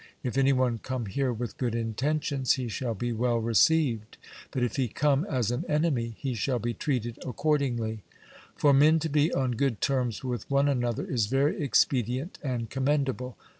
If any one come here with good intentions, he shall be well received ; but if he come as an enemy, he shall be treated accordingly. For men to be on good terms with one another is very expedient and com mendable.